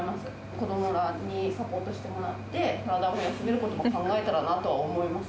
子どもらにサポートしてもらって、体を休めることも考えたらなとは思います。